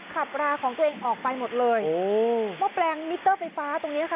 ขับราของตัวเองออกไปหมดเลยโอ้หม้อแปลงมิเตอร์ไฟฟ้าตรงเนี้ยค่ะ